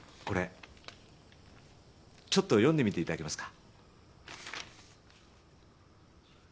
ちょっと読んでみていただけますか。